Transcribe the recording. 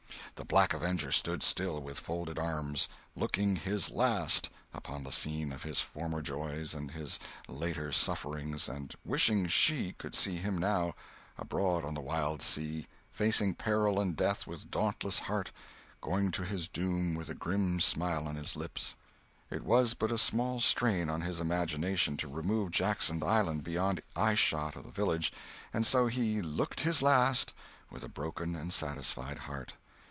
The Black Avenger stood still with folded arms, "looking his last" upon the scene of his former joys and his later sufferings, and wishing "she" could see him now, abroad on the wild sea, facing peril and death with dauntless heart, going to his doom with a grim smile on his lips. It was but a small strain on his imagination to remove Jackson's Island beyond eye shot of the village, and so he "looked his last" with a broken and satisfied heart.